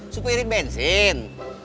supaya irit bensin